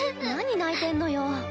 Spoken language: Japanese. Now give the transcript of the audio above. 何泣いてんのよ？